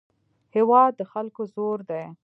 هېواد د خلکو زور دی.